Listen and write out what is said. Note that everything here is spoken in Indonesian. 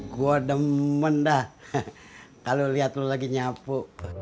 gue demen dah kalau liat lu lagi nyapu